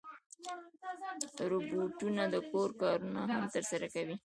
روبوټونه د کور کارونه هم ترسره کوي.